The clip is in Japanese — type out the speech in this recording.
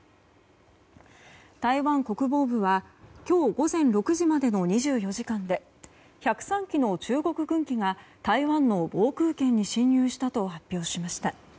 台湾国防部は今日午前６時までの２４時間で１０３機の中国軍機が台湾の防空圏に侵入したと発表しました。